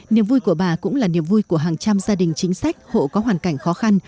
niềm vui của bà cũng là niềm vui của hàng trăm gia đình chính sách hộ có hoàn cảnh khó khăn